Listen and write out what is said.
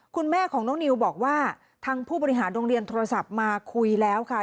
คุณแม่ของน้องนิวบอกว่าทางผู้บริหารโรงเรียนโทรศัพท์มาคุยแล้วค่ะ